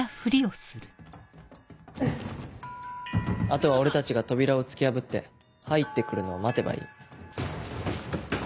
あとは俺たちが扉を突き破って入って来るのを待てばいい。